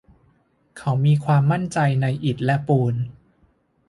เขามีความมั่นใจในอิฐและปูน